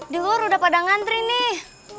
dilur udah pada ngantri nih